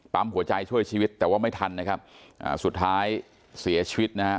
หัวใจช่วยชีวิตแต่ว่าไม่ทันนะครับอ่าสุดท้ายเสียชีวิตนะฮะ